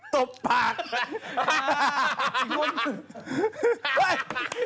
ตบภาพ